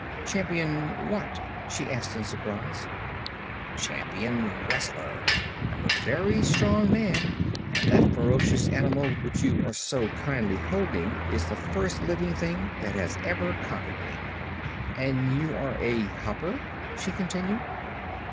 "Champion what?" she asked in surprise. "Champion wrestler. I'm a very strong man, and that ferocious animal which you are so kindly holding is the first living thing that has ever conquered me." "And you are a Hopper?" she continued.